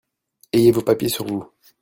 ayez vos papiers sur vous.